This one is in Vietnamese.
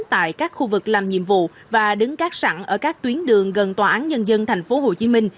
tại các khu vực làm nhiệm vụ và đứng các sẵn ở các tuyến đường gần tòa án nhân dân tp hcm